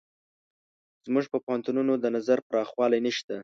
زموږ په پوهنتونونو د نظر پراخوالی نشته.